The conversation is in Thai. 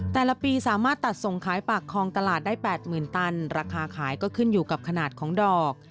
แต่ละปีสามารถตัดส่งขายปากคลองตลาดได้๘๐๐๐ตันราคาขายก็ขึ้นอยู่กับขนาดของดอก